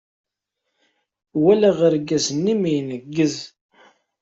Walaɣ argaz-nni mi ineggez.